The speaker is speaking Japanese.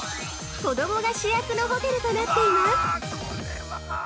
子供が主役のホテルとなっています。